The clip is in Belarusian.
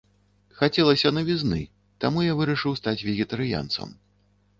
Хацелася навізны, таму я вырашыў стаць вегетарыянцам.